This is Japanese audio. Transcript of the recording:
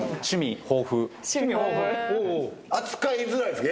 扱いづらいですか？